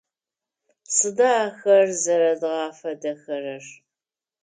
Сыда ахэр зэрэдгъэфедэхэрэр?